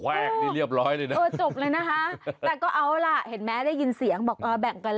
แวกนี้เรียบร้อยเลยนะเออจบเลยนะคะแต่ก็เอาล่ะเห็นไหมได้ยินเสียงบอกเออแบ่งกัน